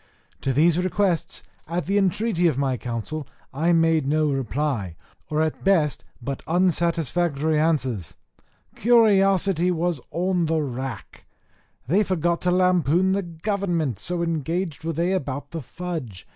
To these requests, at the entreaty of my council, I made no reply, or at best but unsatisfactory answers. Curiosity was on the rack; they forgot to lampoon the government, so engaged were they about the fudge.